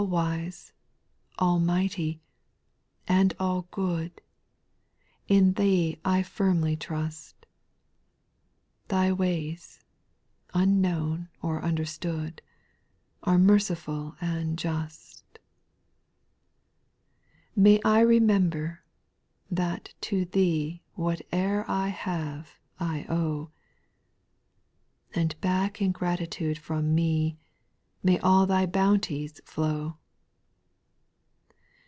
SPIRITUAL SON 08. 75 2. All wise, Almighty, and all good, In Thee I firmly trust ; Thy ways, unknown or understood, Are merciful and just. 8. V May I remember, that to Thee Whate'er I have I owe ; And back in gratitude from me May all Thy bounties flow.